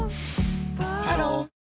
ハロー